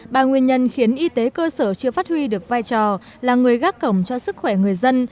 ba nguyên nhân khiến y tế cơ sở chưa phát huy được vai trò là người gác cổng cho sức khỏe người dân